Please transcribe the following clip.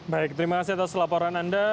baik terima kasih atas laporan anda